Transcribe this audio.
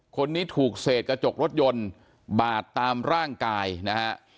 คนนี้ถูกเศษกระจกรถยนต์บาดตามร่างกายนะฮะ